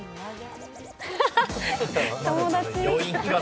友達！